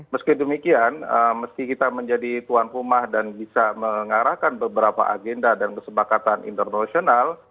meski demikian meski kita menjadi tuan rumah dan bisa mengarahkan beberapa agenda dan kesepakatan internasional